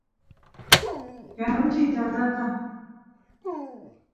yanuchiy tata